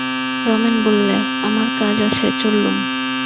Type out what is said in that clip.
রমেন বললে, আমার কাজ আছে চললুম।